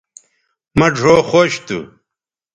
مہ ڙھؤ خوش تھو